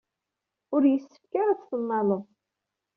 Ur yessefk ara ad t-tennaled.